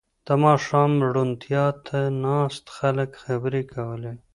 • د ماښام روڼتیا ته ناست خلک خبرې کولې.